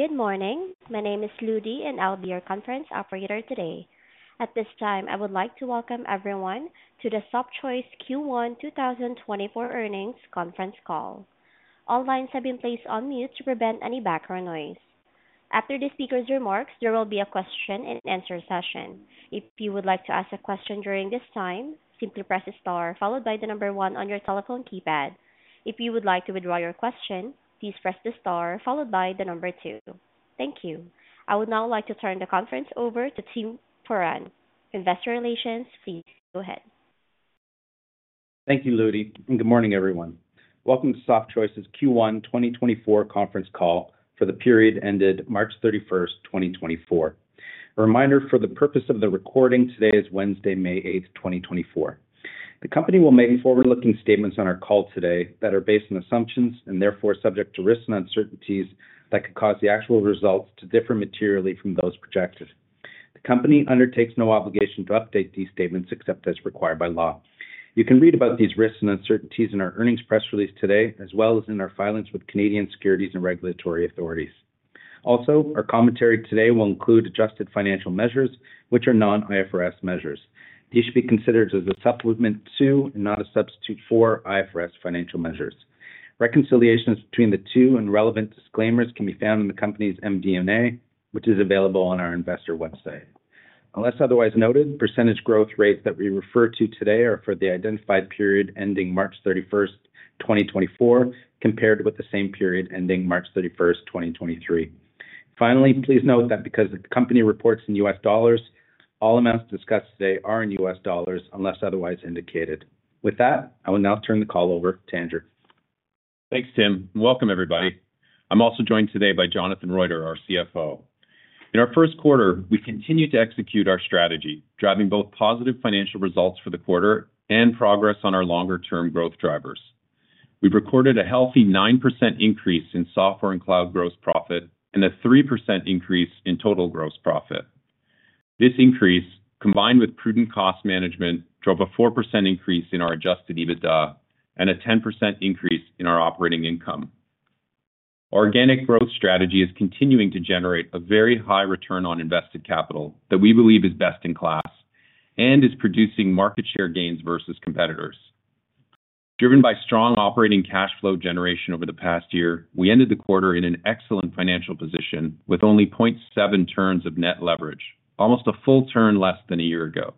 Good morning. My name is Ludi, and I'll be your Conference Operator today. At this time, I would like to welcome everyone to the Softchoice Q1 2024 Earnings Conference Call. All lines have been placed on mute to prevent any background noise. After the speaker's remarks, there will be a question-and-answer session. If you would like to ask a question during this time, simply press the star followed by the number one on your telephone keypad. If you would like to withdraw your question, please press the star followed by the number two. Thank you. I would now like to turn the conference over to Tim Foran, Investor Relations, please go ahead. Thank you, Ludi. Good morning, everyone. Welcome to Softchoice's Q1 2024 conference call for the period ended March 31, 2024. A reminder, for the purpose of the recording, today is Wednesday, May 8, 2024. The company will make forward-looking statements on our call today that are based on assumptions, and therefore subject to risks and uncertainties that could cause the actual results to differ materially from those projected. The company undertakes no obligation to update these statements except as required by law. You can read about these risks and uncertainties in our earnings press release today, as well as in our filings with Canadian securities and regulatory authorities. Also, our commentary today will include adjusted financial measures, which are non-IFRS measures. These should be considered as a supplement to and not a substitute for IFRS financial measures. Reconciliations between the two and relevant disclaimers can be found in the company's MD&A, which is available on our investor website. Unless otherwise noted, percentage growth rates that we refer to today are for the identified period ending March 31, 2024, compared with the same period ending March 31, 2023. Finally, please note that because the company reports in U.S. dollars, all amounts discussed today are in U.S. dollars unless otherwise indicated. With that, I will now turn the call over to Andrew. Thanks, Tim. Welcome, everybody. I'm also joined today by Jonathan Roiter, our CFO. In our first quarter, we continued to execute our strategy, driving both positive financial results for the quarter and progress on our longer-term growth drivers. We've recorded a healthy 9% increase in software and cloud gross profit, and a 3% increase in total gross profit. This increase, combined with prudent cost management, drove a 4% increase in our adjusted EBITDA and a 10% increase in our operating income. Our organic growth strategy is continuing to generate a very high return on invested capital that we believe is best in class, and is producing market share gains versus competitors. Driven by strong operating cash flow generation over the past year, we ended the quarter in an excellent financial position with only 0.7 turns of net leverage, almost a full turn less than a year ago.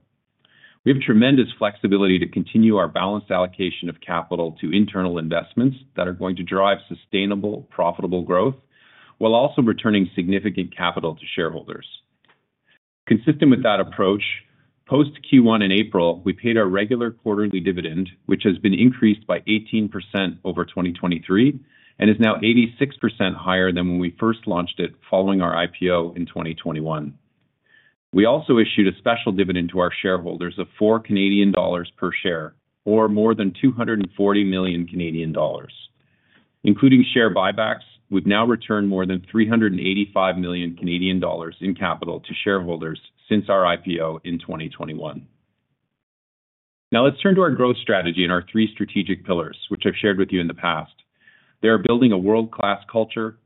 We have tremendous flexibility to continue our balanced allocation of capital to internal investments that are going to drive sustainable, profitable growth while also returning significant capital to shareholders. Consistent with that approach, post-Q1 in April, we paid our regular quarterly dividend, which has been increased by 18% over 2023 and is now 86% higher than when we first launched it following our IPO in 2021. We also issued a special dividend to our shareholders of 4 Canadian dollars per share, or more than 240 million Canadian dollars. Including share buybacks, we've now returned more than 385 million Canadian dollars in capital to shareholders since our IPO in 2021. Now let's turn to our growth strategy and our three strategic pillars, which I've shared with you in the past. They are building a world-class culture,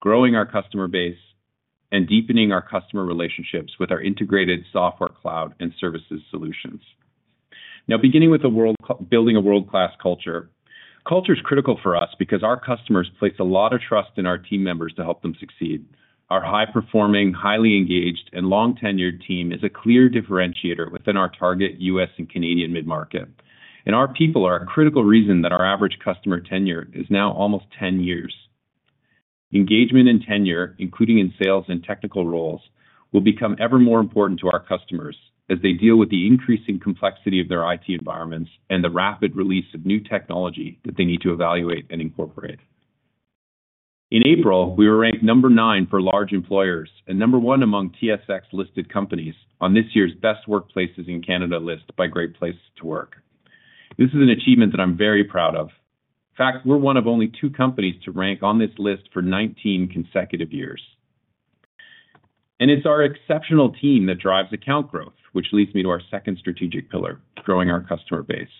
growing our customer base, and deepening our customer relationships with our integrated software, cloud, and services solutions. Now, beginning with building a world-class culture, culture is critical for us because our customers place a lot of trust in our team members to help them succeed. Our high-performing, highly engaged, and long-tenured team is a clear differentiator within our target U.S. and Canadian mid-market. Our people are a critical reason that our average customer tenure is now almost 10 years. Engagement and tenure, including in sales and technical roles will become ever more important to our customers, as they deal with the increasing complexity of their IT environments and the rapid release of new technology that they need to evaluate and incorporate. In April, we were ranked number nine for large employers, and number one among TSX-listed companies on this year's Best Workplaces in Canada list by Great Place to Work. This is an achievement that I'm very proud of. In fact, we're one of only two companies to rank on this list for 19 consecutive years. It's our exceptional team that drives account growth, which leads me to our second strategic pillar, growing our customer base.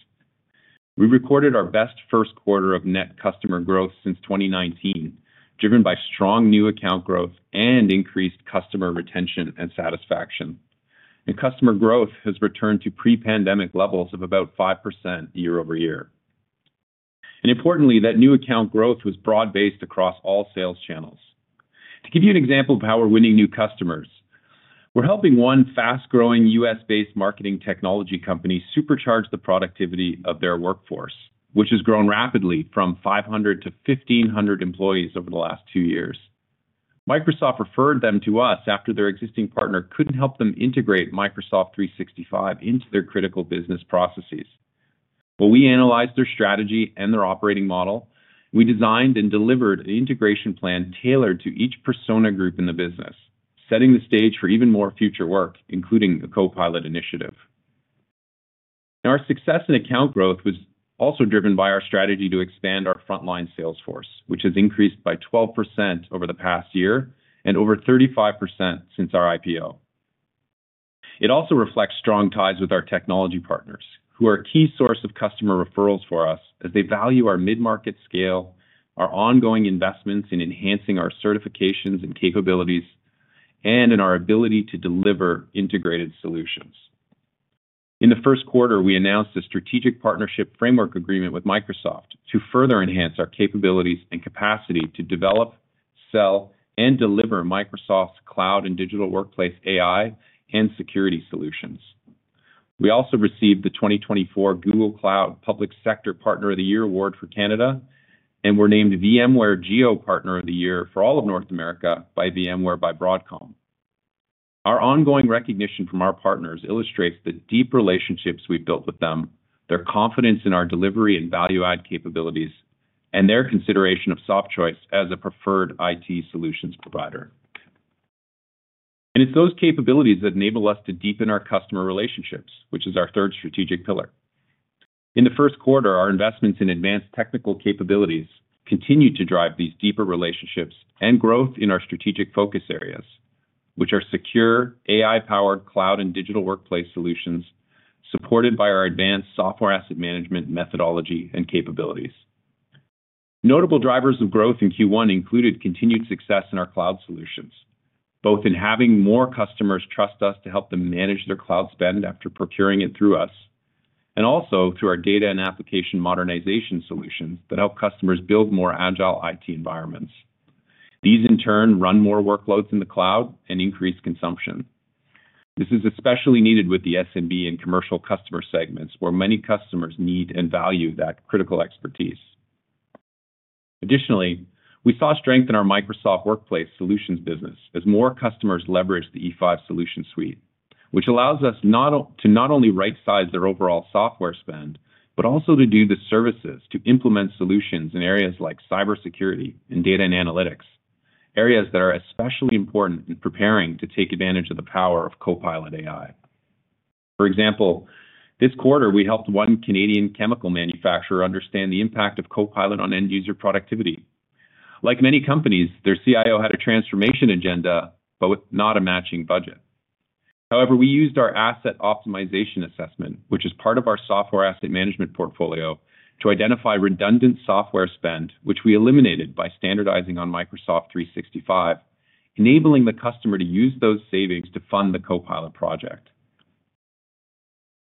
We recorded our best first quarter of net customer growth since 2019, driven by strong new account growth and increased customer retention and satisfaction. Customer growth has returned to pre-pandemic levels of about 5% year-over-year. Importantly, that new account growth was broad-based across all sales channels. To give you an example of how we're winning new customers, we're helping one fast-growing U.S.-based marketing technology company supercharge the productivity of their workforce, which has grown rapidly from 500-1,500 employees over the last two years. Microsoft referred them to us, after their existing partner couldn't help them integrate Microsoft 365 into their critical business processes. While we analyzed their strategy and their operating model, we designed and delivered an integration plan tailored to each persona group in the business, setting the stage for even more future work, including a Copilot initiative. Our success in account growth was also driven by our strategy to expand our frontline salesforce, which has increased by 12% over the past year and over 35% since our IPO. It also reflects strong ties with our technology partners, who are a key source of customer referrals for us, as they value our mid-market scale, our ongoing investments in enhancing our certifications and capabilities, and in our ability to deliver integrated solutions. In the first quarter, we announced a strategic partnership framework agreement with Microsoft to further enhance our capabilities, and capacity to develop, sell, and deliver Microsoft's cloud and digital workplace AI and security solutions. We also received the 2024 Google Cloud Public Sector Partner of the Year award for Canada, and were named VMware Geo Partner of the Year for all of North America by VMware by Broadcom. Our ongoing recognition from our partners illustrates the deep relationships we've built with them, their confidence in our delivery and value-add capabilities, and their consideration of Softchoice as a preferred IT solutions provider. It's those capabilities that enable us to deepen our customer relationships, which is our third strategic pillar. In the first quarter, our investments in advanced technical capabilities continue to drive these deeper relationships and growth in our strategic focus areas, which are secure, AI-powered cloud and digital workplace solutions supported by our advanced software asset management methodology and capabilities. Notable drivers of growth in Q1 included continued success in our cloud solutions, both in having more customers trust us to help them manage their cloud spend after procuring it through us, and also through our data and application modernization solutions that help customers build more agile IT environments. These in turn run more workloads in the cloud and increase consumption. This is especially needed with the SMB and commercial customer segments, where many customers need and value that critical expertise. Additionally, we saw strength in our Microsoft Workplace solutions business, as more customers leveraged the E5 solution suite, which allows us to not only right-size their overall software spend, but also to do the services to implement solutions in areas like cybersecurity and data and analytics, areas that are especially important in preparing to take advantage of the power of Copilot AI. For example, this quarter, we helped one Canadian chemical manufacturer understand the impact of Copilot on end-user productivity. Like many companies, their CIO had a transformation agenda, but with not a matching budget. However, we used our Asset Optimization Assessment, which is part of our software asset management portfolio, to identify redundant software spend, which we eliminated by standardizing on Microsoft 365, enabling the customer to use those savings to fund the Copilot project.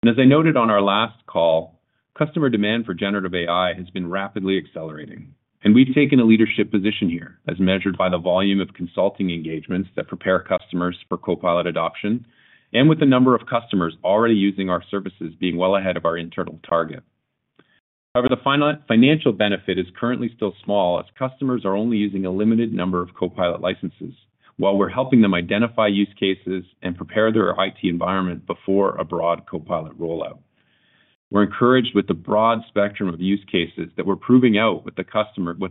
As I noted on our last call, customer demand for generative AI has been rapidly accelerating. We've taken a leadership position here, as measured by the volume of consulting engagements that prepare customers for Copilot adoption, and with the number of customers already using our services being well ahead of our internal target. However, the financial benefit is currently still small, as customers are only using a limited number of Copilot licenses, while we're helping them identify use cases and prepare their IT environment before a broad Copilot rollout. We're encouraged with the broad spectrum of use cases that we're proving out with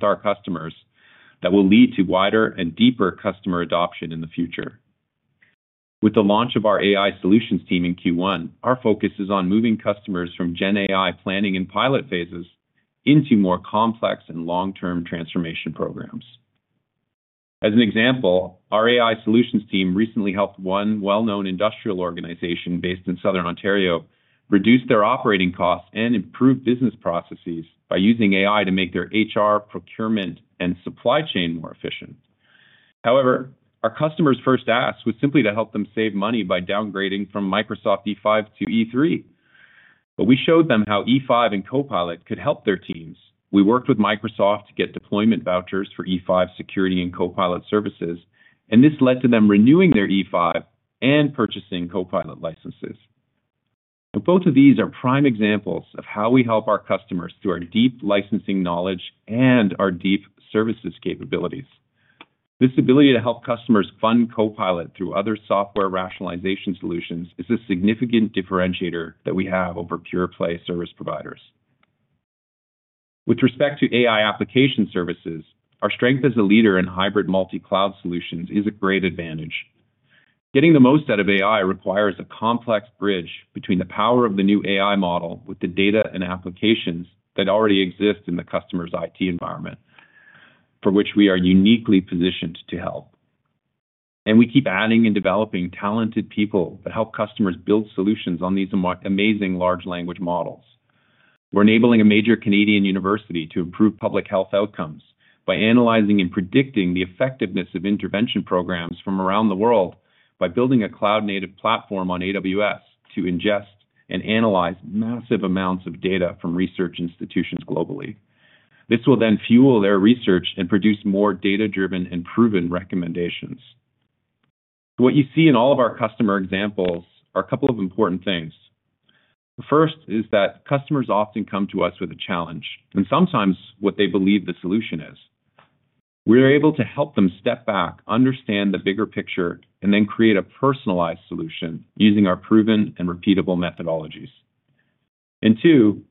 our customers, that will lead to wider and deeper customer adoption in the future. With the launch of our AI solutions team in Q1, our focus is on moving customers from Gen AI planning and pilot phases into more complex and long-term transformation programs. As an example, our AI solutions team recently helped one well-known industrial organization based in Southern Ontario reduce their operating costs, and improve business processes by using AI to make their HR, procurement, and supply chain more efficient. However, our customer's first ask was simply to help them save money by downgrading from Microsoft E5 to E3, but we showed them how E5 and Copilot could help their teams. We worked with Microsoft to get deployment vouchers for E5 Security and Copilot services, and this led to them renewing their E5 and purchasing Copilot licenses. Both of these are prime examples of how we help our customers through our deep licensing knowledge, and our deep services capabilities. This ability to help customers fund Copilot through other software rationalization solutions, is a significant differentiator that we have over pure-play service providers. With respect to AI application services, our strength as a leader in hybrid multi-cloud solutions is a great advantage. Getting the most out of AI requires a complex bridge between the power of the new AI model with the data and applications that already exist in the customer's IT environment, for which we are uniquely positioned to help. We keep adding and developing talented people that help customers build solutions on these amazing large language models. We're enabling a major Canadian university to improve public health outcomes ,by analyzing and predicting the effectiveness of intervention programs from around the world, by building a cloud-native platform on AWS to ingest, and analyze massive amounts of data from research institutions globally. This will then fuel their research and produce more data-driven and proven recommendations. What you see in all of our customer examples are a couple of important things. The first is that customers often come to us with a challenge, and sometimes what they believe the solution is. We're able to help them step back, understand the bigger picture, and then create a personalized solution using our proven and repeatable methodologies. Two,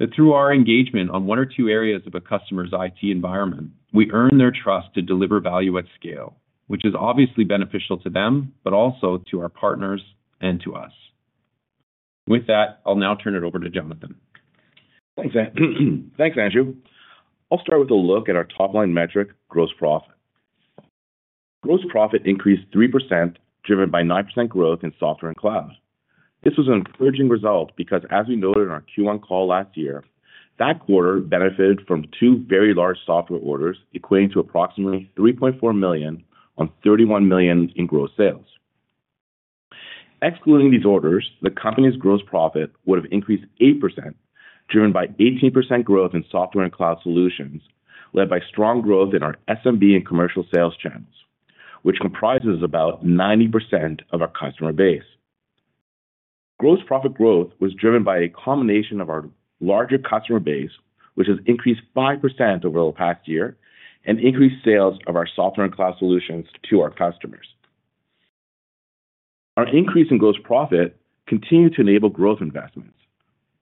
that through our engagement on one or two areas of a customer's IT environment, we earn their trust to deliver value at scale, which is obviously beneficial to them, but also to our partners and to us. With that, I'll now turn it over to Jonathan. Thanks, Andrew. I'll start with a look at our top-line metric, gross profit. Gross profit increased 3%, driven by 9% growth in software and cloud. This was an encouraging result, because as we noted on our Q1 call last year, that quarter benefited from two very large software orders equating to approximately $3.4 million on $31 million in gross sales. Excluding these orders, the company's gross profit would have increased 8%, driven by 18% growth in software and cloud solutions, led by strong growth in our SMB and commercial sales channels, which comprises about 90% of our customer base. Gross profit growth was driven by a combination of our larger customer base, which has increased 5% over the past year, and increased sales of our software and cloud solutions to our customers. Our increase in gross profit continued to enable growth investments.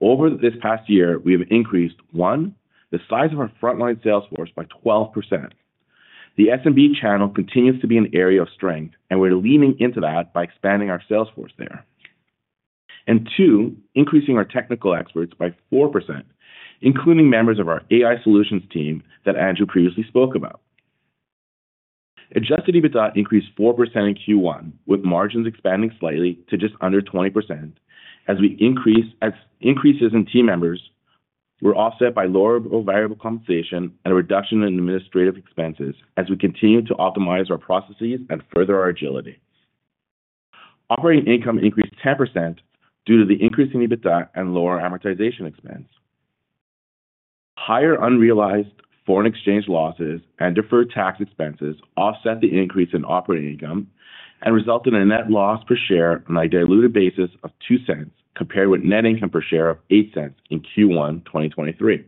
Over this past year, we have increased, one, the size of our frontline salesforce by 12%. The SMB channel continues to be an area of strength, and we're leaning into that by expanding our salesforce there. Two, increasing our technical experts by 4%, including members of our AI solutions team that Andrew previously spoke about. Adjusted EBITDA increased 4% in Q1, with margins expanding slightly to just under 20%. As we increase in team members, we're offset by lower variable compensation and a reduction in administrative expenses, as we continue to optimize our processes and further our agility. Operating income increased 10% due to the increase in EBITDA and lower amortization expense. Higher unrealized foreign exchange losses and deferred tax expenses offset the increase in operating income, and resulted in a net loss per share on a diluted basis of $0.02 compared with net income per share of $0.08 in Q1, 2023.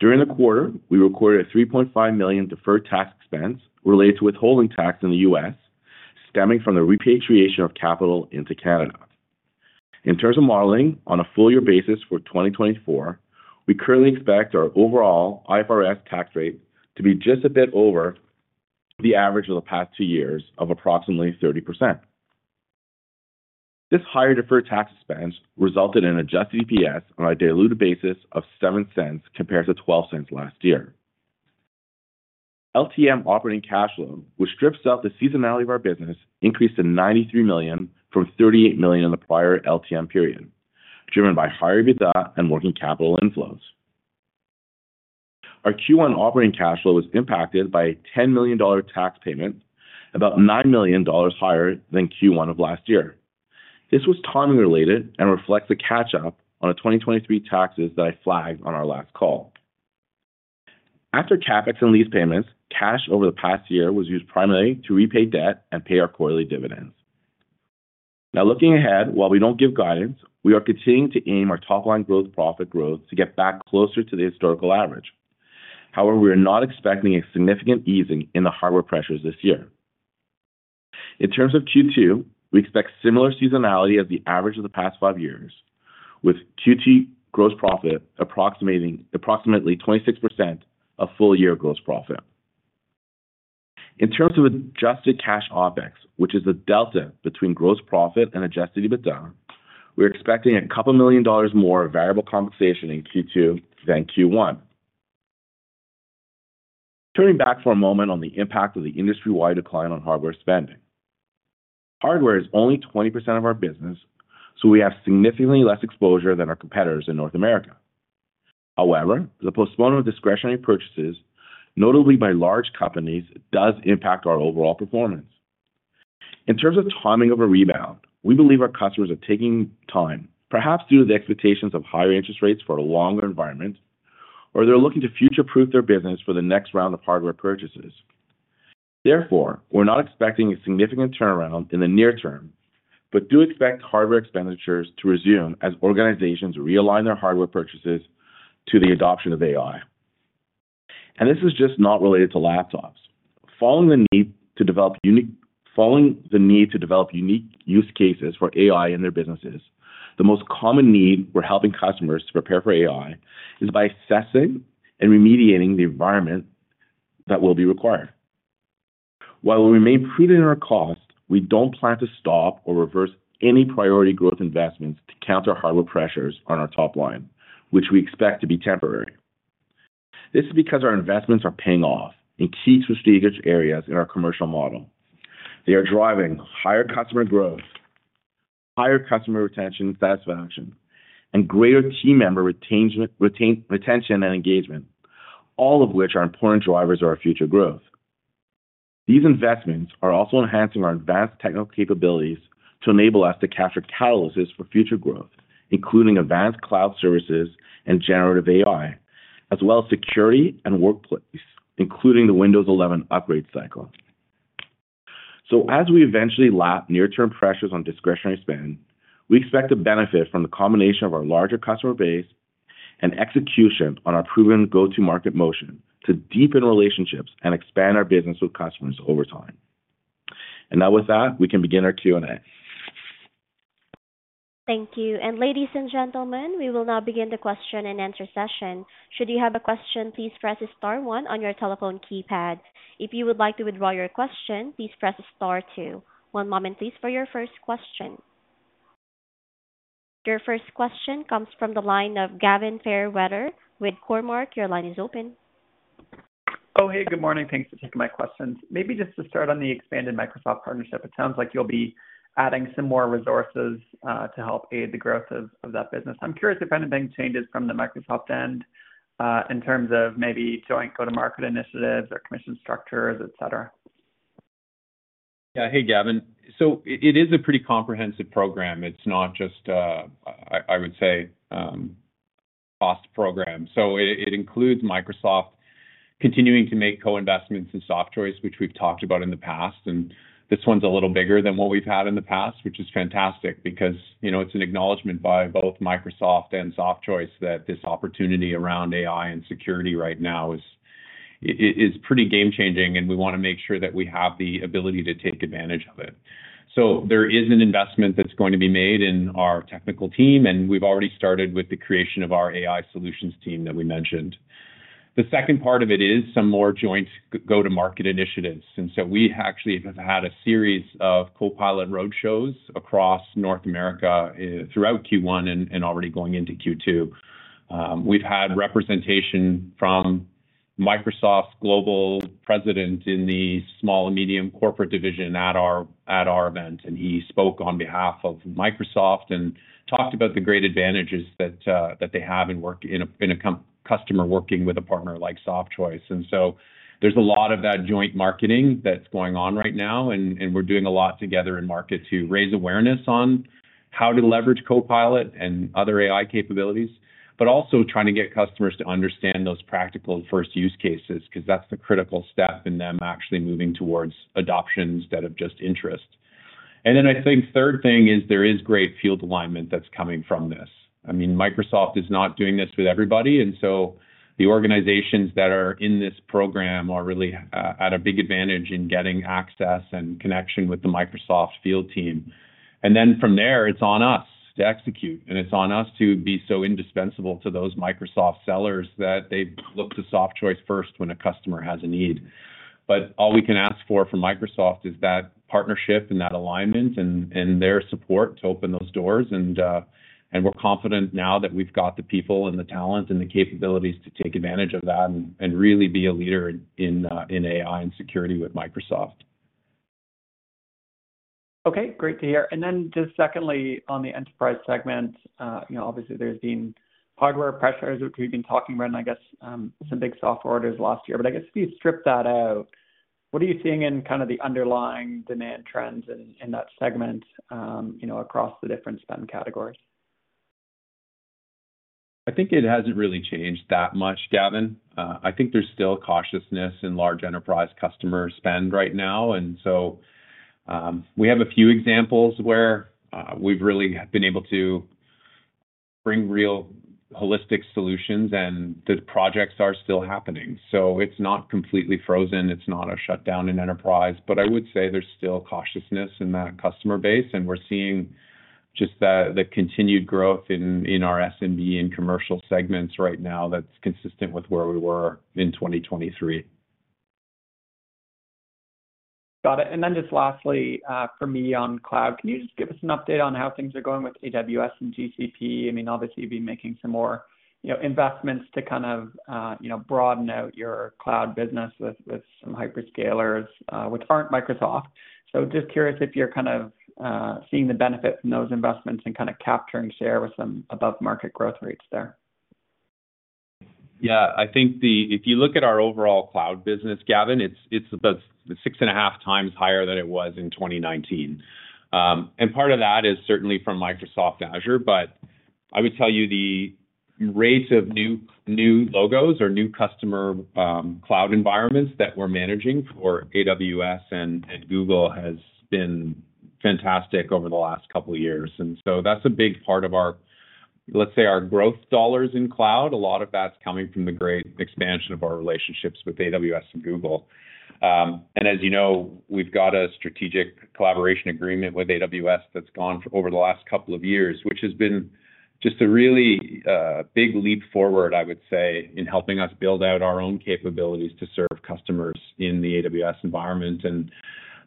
During the quarter, we recorded a $3.5 million deferred tax expense related to withholding tax in the U.S., stemming from the repatriation of capital into Canada. In terms of modeling, on a full-year basis for 2024, we currently expect our overall IFRS tax rate to be just a bit over the average of the past two years of approximately 30%. This higher deferred tax expense resulted in an adjusted EPS on a diluted basis of $0.07 compared to $0.12 last year. LTM operating cash flow, which strips out the seasonality of our business, increased to $93 million from $38 million in the prior LTM period, driven by higher EBITDA and working capital inflows. Our Q1 operating cash flow was impacted by a $10 million tax payment, about $9 million higher than Q1 of last year. This was timing-related, and reflects the catch-up on 2023 taxes that I flagged on our last call. After CapEx and lease payments, cash over the past year was used primarily to repay debt and pay our quarterly dividends. Now, looking ahead, while we don't give guidance, we are continuing to aim our top-line gross profit growth to get back closer to the historical average. However, we are not expecting a significant easing in the hardware pressures this year. In terms of Q2, we expect similar seasonality as the average of the past five years, with Q2 gross profit approximately 26% of full-year gross profit. In terms of adjusted cash OpEx, which is the delta between gross profit and adjusted EBITDA, we're expecting a couple of million dollars more variable compensation in Q2 than Q1. Turning back for a moment on the impact of the industry-wide decline on hardware spending. Hardware is only 20% of our business, so we have significantly less exposure than our competitors in North America. However, the postponement of discretionary purchases, notably by large companies, does impact our overall performance. In terms of timing of a rebound, we believe our customers are taking time, perhaps due to the expectations of higher interest rates for a longer environment, or they're looking to future-proof their business for the next round of hardware purchases. Therefore, we're not expecting a significant turnaround in the near term, but do expect hardware expenditures to resume as organizations realign their hardware purchases to the adoption of AI. This is just not related to laptops. Following the need to develop unique use cases for AI in their businesses, the most common need we're helping customers to prepare for AI, is by assessing and remediating the environment that will be required. While we remain prudent in our cost, we don't plan to stop or reverse any priority growth investments to counter hardware pressures on our top line, which we expect to be temporary. This is because our investments are paying off in key strategic areas in our commercial model. They are driving higher customer growth, higher customer retention and satisfaction, and greater team member retention and engagement, all of which are important drivers of our future growth. These investments are also enhancing our advanced technical capabilities, to enable us to capture catalysts for future growth, including advanced cloud services and generative AI, as well as security and workplace, including the Windows 11 upgrade cycle. As we eventually lap near-term pressures on discretionary spend, we expect to benefit from the combination of our larger customer base and execution on our proven go-to-market motion to deepen relationships, and expand our business with customers over time. Now with that, we can begin our Q&A. Thank you. ladies and gentlemen, we will now begin the question-and-answer session. Should you have a question, please press star, one on your telephone keypad. If you would like to withdraw your question, please press star, two. One moment please for your first question. Your first question comes from the line of Gavin Fairweather with Cormark. Your line is open. Oh, hey. Good morning. Thanks for taking my questions. Maybe just to start on the expanded Microsoft partnership, it sounds like you'll be adding some more resources to help aid the growth of that business. I'm curious if anything changes from the Microsoft end in terms of maybe joint go-to-market initiatives or commission structures, etc. Yeah. Hey, Gavin. It is a pretty comprehensive program. It's not just, I would say, a cost program. It includes Microsoft continuing to make co-investments in Softchoice, which we've talked about in the past. This one's a little bigger than what we've had in the past, which is fantastic because it's an acknowledgment by both Microsoft and Softchoice, that this opportunity around AI and security right now is pretty game-changing, and we want to make sure that we have the ability to take advantage of it. There is an investment that's going to be made in our technical team, and we've already started with the creation of our AI solutions team that we mentioned. The second part of it is some more joint go-to-market initiatives, and so we actually have had a series of Copilot roadshows across North America, throughout Q1 and already going into Q2. We've had representation from Microsoft's global president in the Small and Medium Corporate division at our event, and he spoke on behalf of Microsoft and talked about the great advantages that they have in a customer working with a partner like Softchoice. There's a lot of that joint marketing that's going on right now, and we're doing a lot together in market to raise awareness on how to leverage Copilot and other AI capabilities, but also trying to get customers to understand those practical first use cases, because that's the critical step in them actually moving towards adoption instead of just interest. Then I think the third thing is there is great field alignment that's coming from this. I mean, Microsoft is not doing this with everybody, and so the organizations that are in this program are really at a big advantage in getting access and connection with the Microsoft field team. Then from there, it's on us to execute, and it's on us to be so indispensable to those Microsoft sellers that they look to Softchoice first when a customer has a need. All we can ask for from Microsoft is that partnership, and that alignment and their support to open those doors. We're confident now that we've got the people and the talent, and the capabilities to take advantage of that and really be a leader in AI and security with Microsoft. Okay, great to hear. Then just secondly, on the enterprise segment, obviously there's been hardware pressures which we've been talking about and I guess some big software orders last year. I guess if you strip that out, what are you seeing in kind of the underlying demand trends in that segment across the different spend categories? I think it hasn't really changed that much, Gavin. I think there's still cautiousness in large enterprise customer spend right now. We have a few examples where we've really been able to bring real holistic solutions, and these projects are still happening. It's not completely frozen. It's not a shutdown in enterprise. I would say there's still cautiousness in that customer base, and we're seeing just the continued growth in our SMB and commercial segments right now that's consistent with where we were in 2023. Got it. Then just lastly from me on cloud, can you just give us an update on how things are going with AWS and GCP? I mean, obviously you've been making some more investments to kind of broaden out your cloud business with some hyperscalers, which aren't Microsoft. Just curious if you're kind of seeing the benefit from those investments, and kind of capturing share with some above-market growth rates there. Yeah. I think if you look at our overall cloud business, Gavin, it's about 6.5 times higher than it was in 2019. Part of that is certainly from Microsoft Azure. I would tell you the rates of new logos or new customer cloud environments that we're managing for AWS and Google, has been fantastic over the last couple of years. That's a big part of our, let's say, our growth dollars in cloud. A lot of that's coming from the great expansion of our relationships with AWS and Google. As you know, we've got a strategic collaboration agreement with AWS that's gone over the last couple of years, which has been just a really big leap forward, I would say in helping us build out our own capabilities to serve customers in the AWS environment.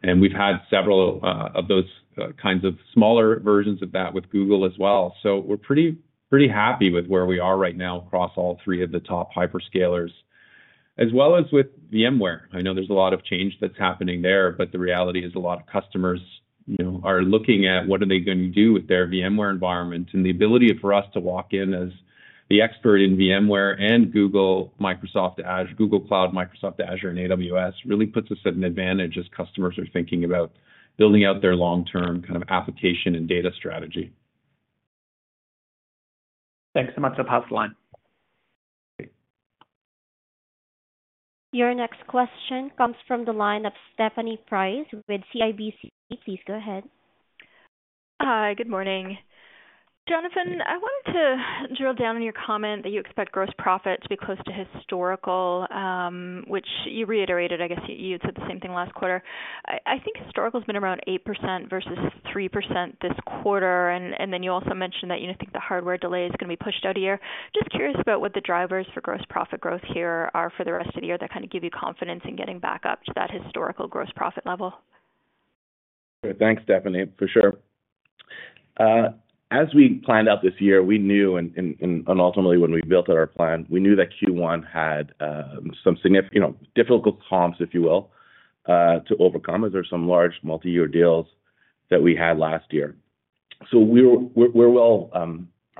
We've had several of those kinds of smaller versions of that with Google as well. We're pretty happy with where we are right now across all three of the top hyperscalers, as well as with VMware. I know there's a lot of change that's happening there, but the reality is a lot of customers are looking at, what are they going to do with their VMware environment? The ability for us to walk in as the expert in VMware and Google Cloud, Microsoft Azure, and AWS really puts us at an advantage as customers are thinking about building out their long-term kind of application and data strategy. Thanks so much. I'll pass the line. Your next question comes from the line of Stephanie Price with CIBC. Please go ahead. Hi. Good morning. Jonathan, I wanted to drill down on your comment that you expect gross profit to be close to historical, which you reiterated. I guess you said the same thing last quarter. I think historical has been around 8% versus 3% this quarter. Then you also mentioned that you think the hardware delay is going to be pushed out of the year. Just curious about what the drivers for gross profit growth here are for the rest of the year, that kind of give you confidence in getting back up to that historical gross profit level. Sure. Thanks, Stephanie, for sure. As we planned out this year, we knew, and ultimately when we built out our plan, we knew that Q1 had some difficult comps, if you will, to overcome. Those are some large multi-year deals that we had last year. Our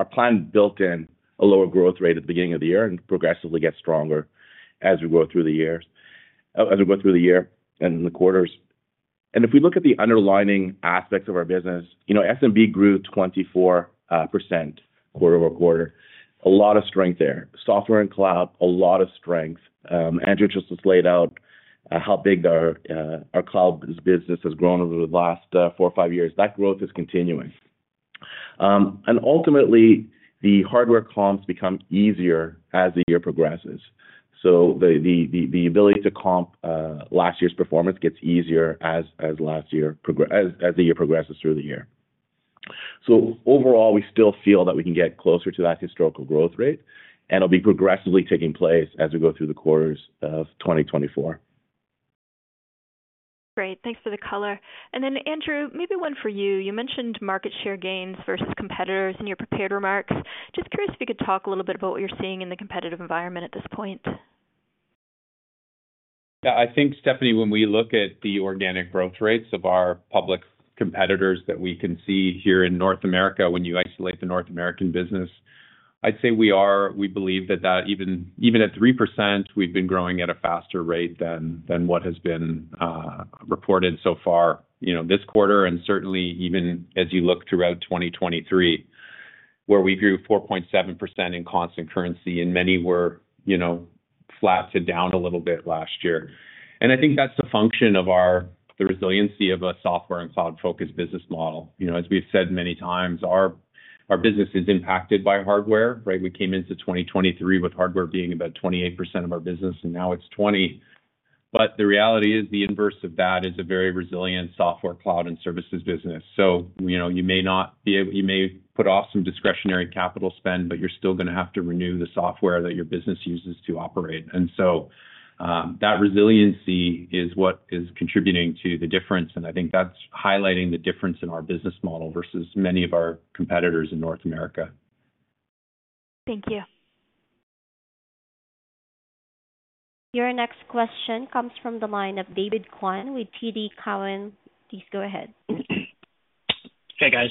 plan built in a lower growth rate at the beginning of the year, and progressively get stronger as we go through the year and the quarters. If we look at the underlying aspects of our business, SMB grew 24% quarter-over-quarter. A lot of strength there. Software and cloud, a lot of strength. Andrew just laid out how big our cloud business has grown over the last four or five years. That growth is continuing. Ultimately, the hardware comps become easier as the year progresses, so the ability to comp last year's performance gets easier as the year progresses through the year. Overall, we still feel that we can get closer to that historical growth rate, and it'll be progressively taking place as we go through the quarters of 2024. Great. Thanks for the color. Then, Andrew, maybe one for you. You mentioned market share gains versus competitors in your prepared remarks. Just curious if you could talk a little bit about what you're seeing in the competitive environment at this point. Yeah. I think, Stephanie, when we look at the organic growth rates of our public competitors that we can see here in North America when you isolate the North American business, I'd say we believe that even at 3%, we've been growing at a faster rate than what has been reported so far this quarter and certainly even as you look throughout 2023, where we grew 4.7% in constant currency and many were flat to down a little bit last year. I think that's a function of the resiliency of a software and cloud-focused business model. As we've said many times, our business is impacted by hardware, right? We came into 2023 with hardware being about 28% of our business, and now it's 20%. The reality is, the inverse of that is a very resilient software, cloud, and services business. You may put off some discretionary capital spend, but you're still going to have to renew the software that your business uses to operate. That resiliency is what is contributing to the difference. I think that's highlighting the difference in our business model versus many of our competitors in North America. Thank you. Your next question comes from the line of David Kwan with TD Cowen. Please go ahead. Hey, guys.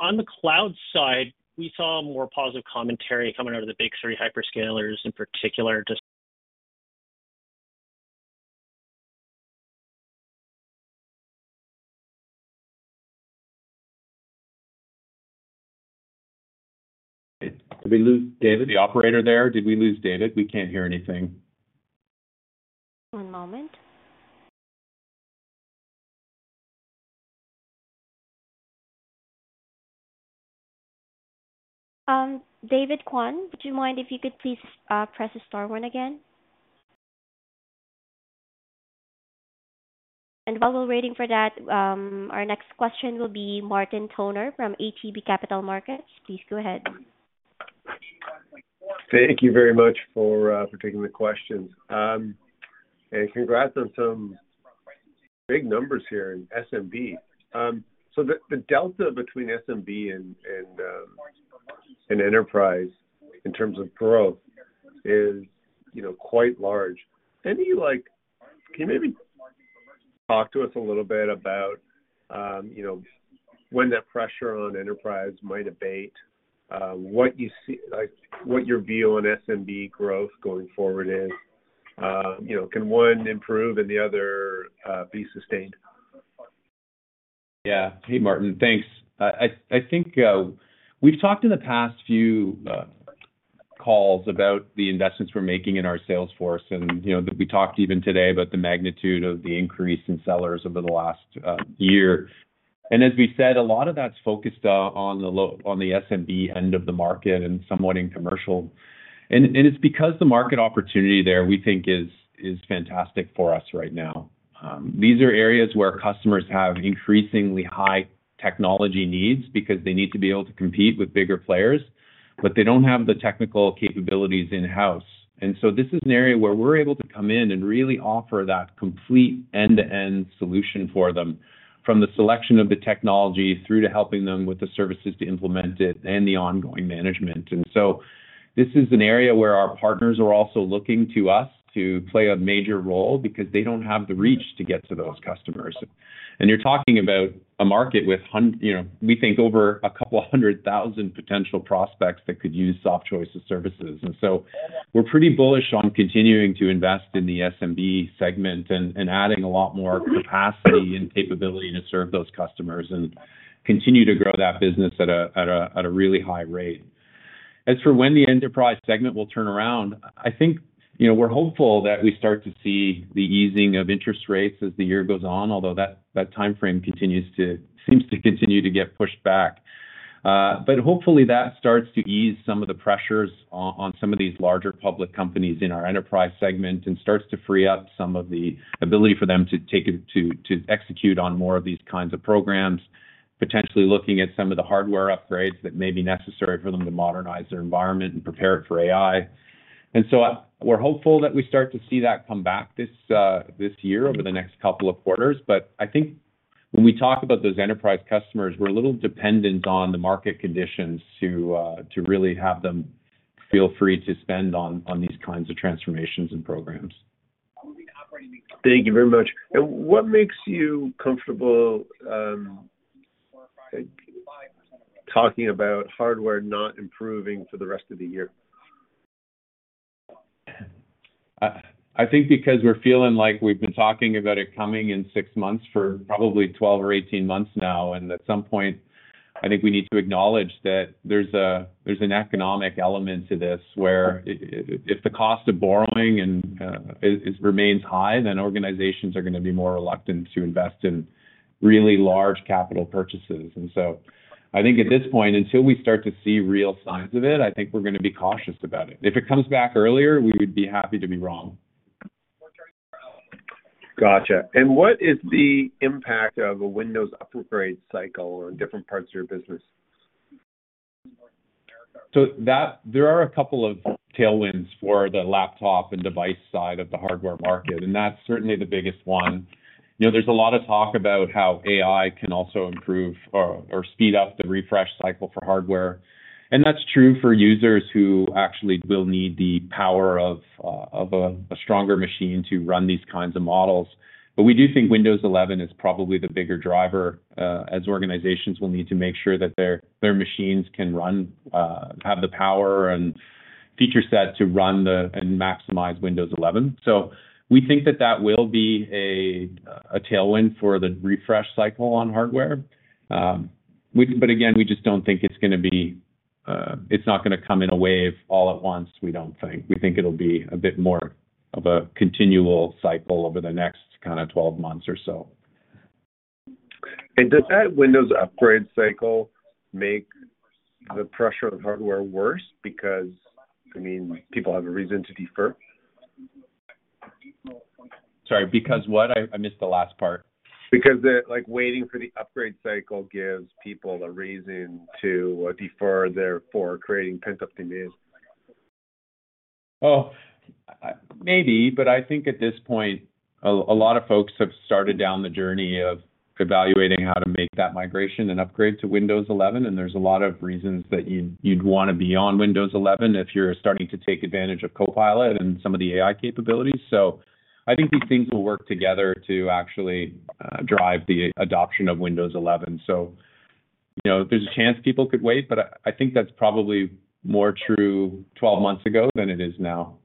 On the cloud side, we saw more positive commentary coming out of the big three hyperscalers, in particular. Did we lose David? The operator there, did we lose David? We can't hear anything. One moment. David Kwan, would you mind if you could please press star, one again? While we're waiting for that, our next question will be Martin Toner from ATB Capital Markets. Please go ahead. Thank you very much for taking the questions. Congrats on some big numbers here in SMB. The delta between SMB and enterprise in terms of growth is quite large. Can you maybe talk to us a little bit about when that pressure on enterprise might abate, what your view on SMB growth going forward is? Can one improve and the other be sustained? Yeah. Hey, Martin. Thanks. I think we've talked in the past few calls about the investments we're making in our salesforce, and we talked even today about the magnitude of the increase in sellers over the last year. As we said, a lot of that's focused on the SMB end of the market and somewhat in commercial. It's because the market opportunity there, we think is fantastic for us right now. These are areas where customers have increasingly high technology needs, because they need to be able to compete with bigger players, but they don't have the technical capabilities in-house. This is an area where we're able to come in and really offer that complete end-to-end solution for them, from the selection of the technology through to helping them with the services to implement it and the ongoing management. This is an area where our partners are also looking to us to play a major role, because they don't have the reach to get to those customers. You're talking about a market with, we think, over a couple of hundred thousand potential prospects that could use Softchoice's services. We're pretty bullish on continuing to invest in the SMB segment, and adding a lot more capacity and capability to serve those customers and continue to grow that business at a really high rate. As for when the enterprise segment will turn around, I think we're hopeful that we start to see the easing of interest rates as the year goes on, although that timeframe seems to continue to get pushed back. Hopefully, that starts to ease some of the pressures on some of these larger public companies in our enterprise segment, and starts to free up some of the ability for them to execute on more of these kinds of programs, potentially looking at some of the hardware upgrades that may be necessary for them to modernize their environment and prepare it for AI. We're hopeful that we start to see that come back this year over the next couple of quarters. I think when we talk about those enterprise customers, we're a little dependent on the market conditions to really have them feel free to spend on these kinds of transformations and programs. Thank you very much. What makes you comfortable talking about hardware not improving for the rest of the year? I think because we're feeling like we've been talking about it coming in 6 months for probably 12 or 18 months now. At some point, I think we need to acknowledge that there's an economic element to this, where if the cost of borrowing remains high, then organizations are going to be more reluctant to invest in really large capital purchases. I think at this point, until we start to see real signs of it, I think we're going to be cautious about it. If it comes back earlier, we would be happy to be wrong. Got you. What is the impact of a Windows upgrade cycle on different parts of your business? There are a couple of tailwinds for the laptop and device side of the hardware market, and that's certainly the biggest one. There's a lot of talk about how AI can also improve or speed up the refresh cycle for hardware, and that's true for users who actually will need the power of a stronger machine to run these kinds of models. We do think Windows 11 is probably the bigger driver, as organizations will need to make sure that their machines can have the power and feature set to run and maximize Windows 11. We think that that will be a tailwind for the refresh cycle on hardware. Again, it's not going to come in a wave all at once, we don't think. We think it'll be a bit more of a continual cycle over the next kind of 12 months or so. Does that Windows upgrade cycle make the pressure on hardware worse, because I mean, people have a reason to defer? Sorry, because what? I missed the last part. Because waiting for the upgrade cycle gives people a reason to defer, therefore creating pent-up demands. Oh, maybe. I think at this point, a lot of folks have started down the journey of evaluating how to make that migration, and upgrade to Windows 11. There's a lot of reasons that you'd want to be on Windows 11 if you're starting to take advantage of Copilot, and some of the AI capabilities. I think these things will work together to actually drive the adoption of Windows 11. There's a chance people could wait, but I think that's probably more true 12 months ago than it is now.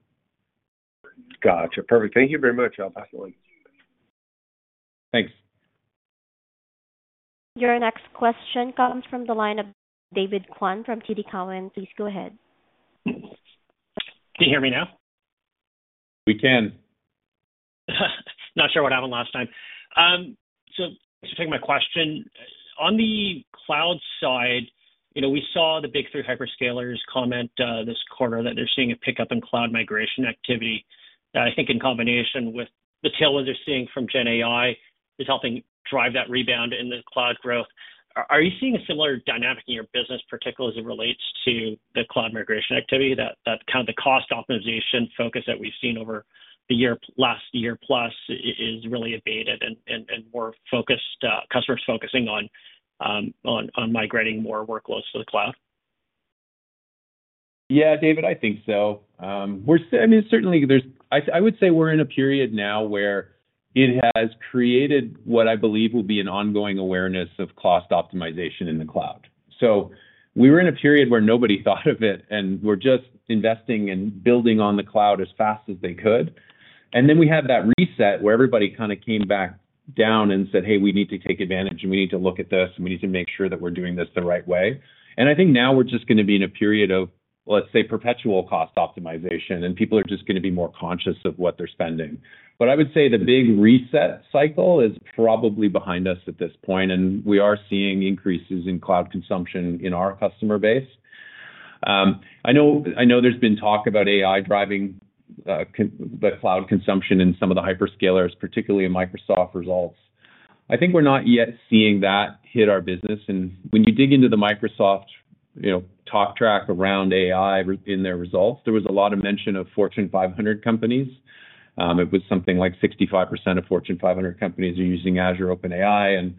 Got you, perfect. Thank you very much. I'll pass the line. Thanks. Your next question comes from the line of David Kwan from TD Cowen. Please go ahead. Can you hear me now? We can. Not sure what happened last time. Thanks for taking my question. On the cloud side, we saw the big three hyperscalers comment this quarter, that they're seeing a pickup in cloud migration activity. I think in combination with the tailwinds they're seeing from Gen AI, is helping drive that rebound in the cloud growth. Are you seeing a similar dynamic in your business, particularly as it relates to the cloud migration activity? That kind of, the cost optimization focus that we've seen over the last year-plus is really abated, and more customers focusing on migrating more workloads to the cloud. Yeah, David, I think so. I mean, certainly, I would say we're in a period now where it has created what I believe will be an ongoing awareness of cost optimization in the cloud. We were in a period where nobody thought of it, and we're just investing and building on the cloud as fast as they could. Then we had that reset where everybody kind of came back down, and said, "Hey, we need to take advantage and we need to look at this, and we need to make sure that we're doing this the right way." I think now we're just going to be in a period of, let's say, perpetual cost optimization, and people are just going to be more conscious of what they're spending. I would say the big reset cycle is probably behind us at this point, and we are seeing increases in cloud consumption in our customer base. I know there's been talk about AI driving the cloud consumption in some of the hyperscalers, particularly in Microsoft results. I think we're not yet seeing that hit our business. When you dig into the Microsoft talk track around AI in their results, there was a lot of mention of Fortune 500 companies. It was something like 65% of Fortune 500 companies are using Azure OpenAI.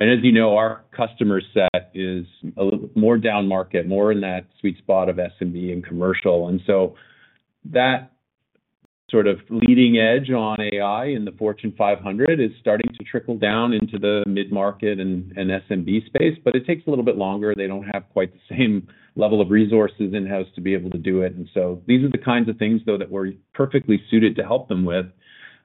As you know, our customer set is more down market, more in that sweet spot of SMB and commercial. That sort of leading edge on AI in the Fortune 500 is starting to trickle down into the mid-market and SMB space, but it takes a little bit longer. They don't have quite the same level of resources in-house to be able to do it. These are the kinds of things though, that we're perfectly suited to help them with.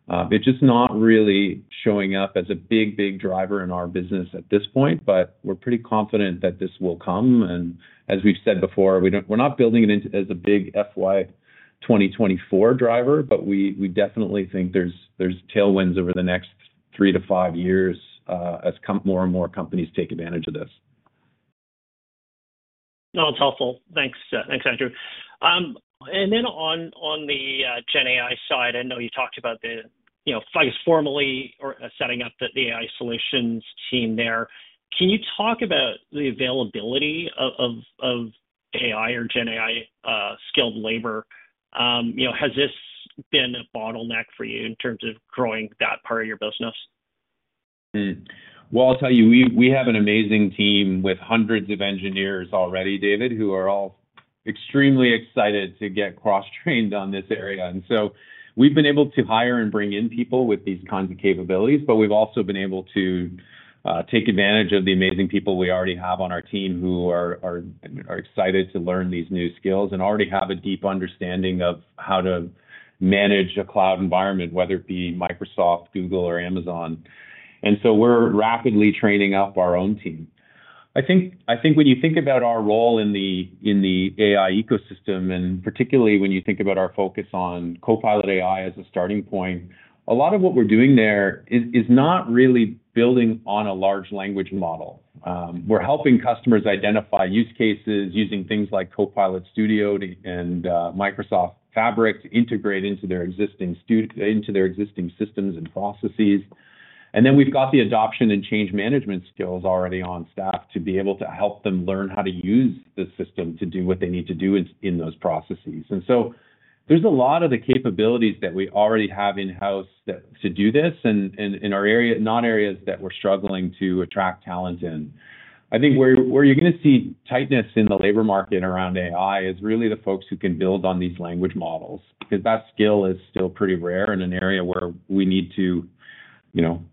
It's just not really showing up as a big, big driver in our business at this point, but we're pretty confident that this will come. As we've said before, we're not building it as a big FY 2024 driver, but we definitely think there's tailwinds over the next three to five years as more and more companies take advantage of this. No, it's helpful. Thanks, Andrew. Then on the Gen AI side, I know you talked about, I guess, formally setting up the AI solutions team there. Can you talk about the availability of AI or Gen AI-skilled labor? Has this been a bottleneck for you in terms of growing that part of your business? Well, I'll tell you, we have an amazing team with hundreds of engineers already, David, who are all extremely excited to get cross-trained on this area. We've been able to hire and bring in people with these kinds of capabilities, but we've also been able to take advantage of the amazing people we already have on our team, who are excited to learn these new skills and already have a deep understanding of how to manage a cloud environment, whether it be Microsoft, Google, or Amazon. We're rapidly training up our own team. I think when you think about our role in the AI ecosystem, and particularly when you think about our focus on Copilot AI as a starting point, a lot of what we're doing there is not really building on a large language model. We're helping customers identify use cases, using things like Copilot Studio and Microsoft Fabric to integrate into their existing systems and processes. Then we've got the adoption and change management skills already on staff, to be able to help them learn how to use the system to do what they need to do in those processes. There's a lot of the capabilities that we already have in-house to do this in our area, not areas that we're struggling to attract talent in. I think where you're going to see tightness in the labor market around AI is really the folks who can build on these language models, because that skill is still pretty rare in an area where we need to,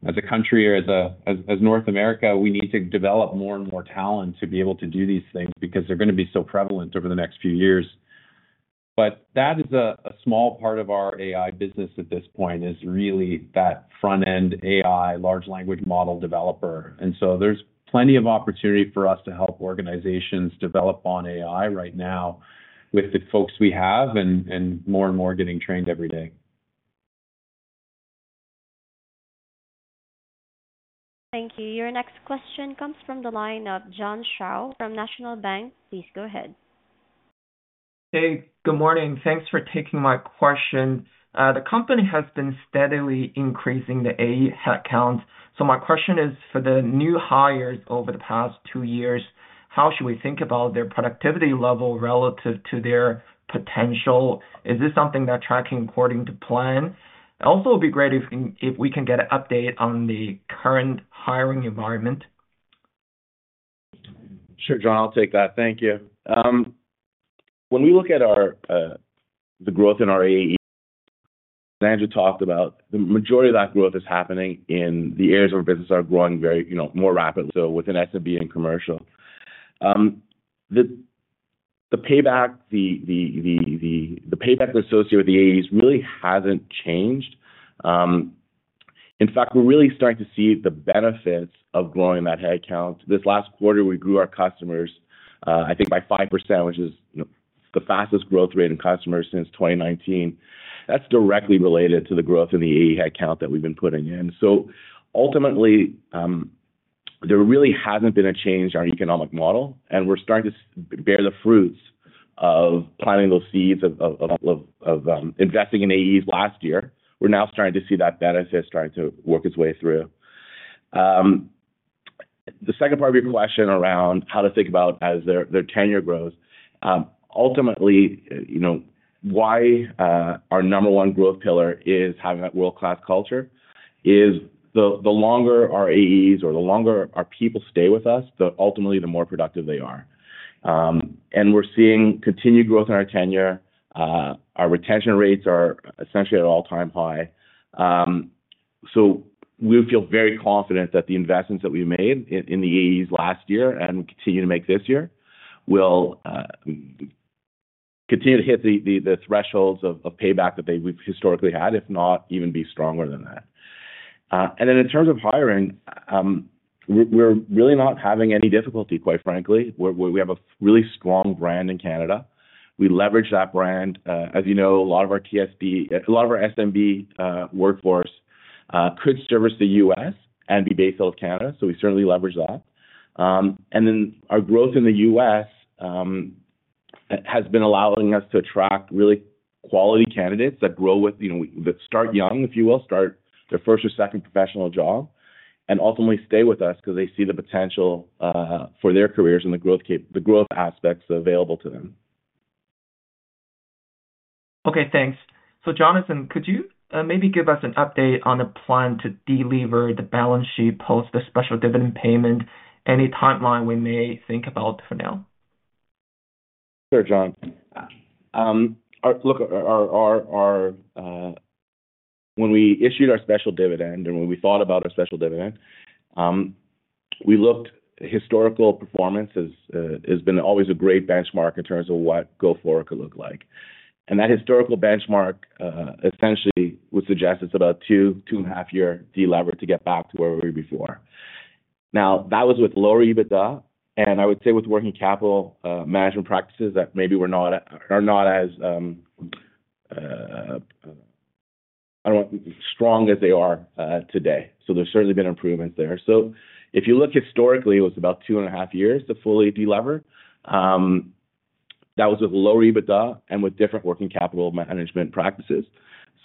as a country or as North America, we need to develop more and more talent to be able to do these things because they're going to be so prevalent over the next few years. That is a small part of our AI business at this point, is really that front-end AI, large language model developer. There's plenty of opportunity for us to help organizations develop on AI right now with the folks we have, and more and more getting trained every day. Thank you. Your next question comes from the line of John Shao from National Bank Financial. Please go ahead. Hey, good morning. Thanks for taking my question. The company has been steadily increasing the AI headcount. My question is, for the new hires over the past two years, how should we think about their productivity level relative to their potential? Is this something that's tracking according to plan? Also, it would be great if we can get an update on the current hiring environment. Sure, John, I'll take that. Thank you. When we look at the growth in our AEs, as Andrew talked about, the majority of that growth is happening in the areas where businesses are growing more rapidly, so within SMB and commercial. The payback associated with the AEs really hasn't changed. In fact, we're really starting to see the benefits of growing that headcount. This last quarter, we grew our customers, I think by 5%, which is the fastest growth rate in customers since 2019. That's directly related to the growth in the AE headcount that we've been putting in. Ultimately, there really hasn't been a change in our economic model, and we're starting to bear the fruits of planting those seeds of investing in AEs last year. We're now starting to see that benefit starting to work its way through. The second part of your question around, how to think about, as their tenure grows, ultimately, why our number one growth pillar is having that world-class culture, is the longer our AEs or the longer our people stay with us, ultimately, the more productive they are. We're seeing continued growth in our tenure. Our retention rates are essentially at an all-time high. We feel very confident that the investments that we've made in the AEs last year and continue to make this year, will continue to hit the thresholds of payback that we've historically had, if not even be stronger than that. Then in terms of hiring, we're really not having any difficulty, quite frankly. We have a really strong brand in Canada. We leverage that brand. As you know, a lot of our SMB workforce could service the U.S. and be based out of Canada. We certainly leverage that. Then our growth in the U.S. has been allowing us to attract really quality candidates that start young, if you will, start their first or second professional job, and ultimately stay with us because they see the potential for their careers and the growth aspects available to them. Okay, thanks. Jonathan, could you maybe give us an update on the plan to deliver the balance sheet post the special dividend payment, any timeline we may think about for now? Sure, John. Look, when we issued our special dividend and when we thought about our special dividend, we looked at historical performance as, it's been always a great benchmark in terms of what go-forward could look like. That historical benchmark essentially would suggest it's about a 2.5-year deleveraging to get back to where we were before. Now, that was with lower EBITDA, and I would say with working capital management practices, that maybe were not as strong as they are today. There's certainly been improvements there. If you look historically, it was about 2.5 years to fully delever. That was with lower EBITDA, and with different working capital management practices.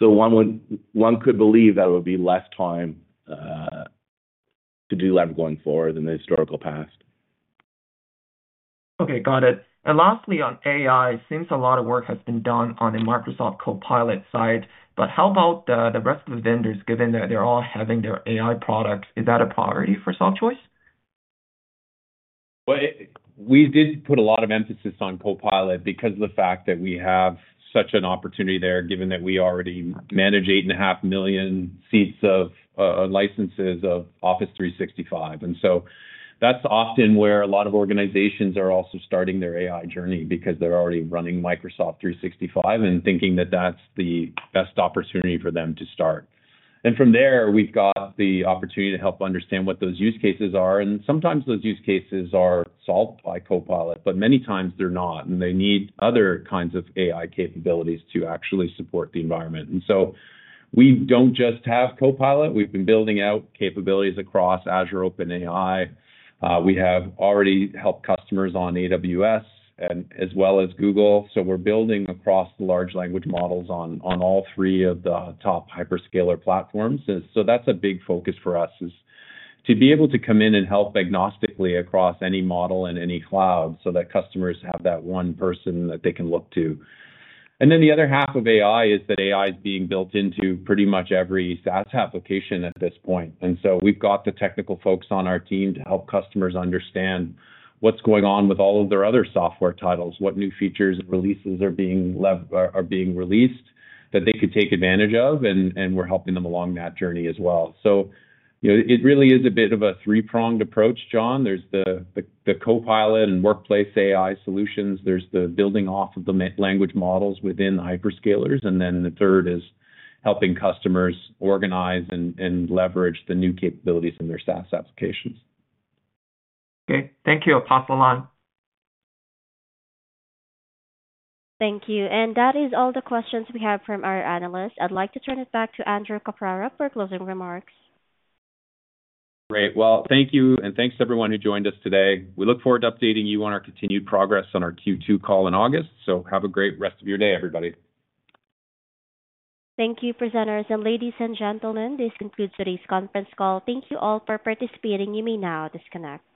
One could believe that it would be less time to delever going forward than the historical past. Okay, got it. Lastly, on AI, it seems a lot of work has been done on the Microsoft Copilot side. How about the rest of the vendors, given that they're all having their AI products? Is that a priority for Softchoice? Well, we did put a lot of emphasis on Copilot because of the fact that we have such an opportunity there, given that we already manage 8.5 million seats of licenses of Office 365. That's often where a lot of organizations are also starting their AI journey, because they're already running Microsoft 365 and thinking that that's the best opportunity for them to start. From there, we've got the opportunity to help understand what those use cases are. Sometimes those use cases are solved by Copilot, but many times they're not and they need other kinds of AI capabilities to actually support the environment, and so we don't just have Copilot. We've been building out capabilities across Azure OpenAI. We have already helped customers on AWS as well as Google. We're building across the large language models on all three of the top hyperscaler platforms. That's a big focus for us, is to be able to come in and help agnostically across any model and any cloud, so that customers have that one person that they can look to. Then the other half of AI is that AI is being built into pretty much every SaaS application at this point. We've got the technical folks on our team to help customers understand what's going on with all of their other software titles, what new features and releases are being released that they could take advantage of, and we're helping them along that journey as well. It really is a bit of a three-pronged approach, John. There's the Copilot and Workplace AI solutions. There's the building off of the language models within the hyperscalers. Then the third is helping customers organize and leverage the new capabilities in their SaaS applications. Okay, thank you. I'll pass the line. Thank you. That is all the questions we have from our analysts. I'd like to turn it back to Andrew Caprara for closing remarks. Great. Well, thank you, and thanks to everyone who joined us today. We look forward to updating you on our continued progress on our Q2 call in August. Have a great rest of your day, everybody. Thank you, presenters. Ladies and gentlemen, this concludes today's conference call. Thank you all for participating. You may now disconnect.